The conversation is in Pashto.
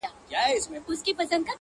خدايه نری باران پرې وكړې،